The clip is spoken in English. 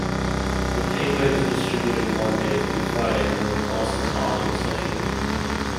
The paper is distributed Monday through Friday when classes are in session.